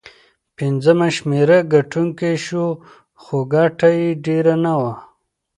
پنځمه شمېره ګټونکی شو، خو ګټه یې ډېره نه وه.